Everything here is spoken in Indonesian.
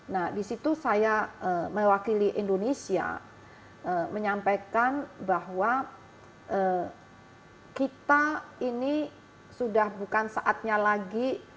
nah disitu saya mewakili indonesia menyampaikan bahwa kita ini sudah bukan saatnya lagi